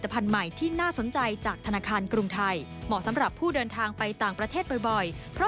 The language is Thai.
เพิ่มเติมจากรายงานเลยค่ะ